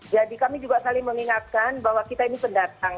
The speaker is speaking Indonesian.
jadi kami juga saling mengingatkan bahwa kita ini pendatang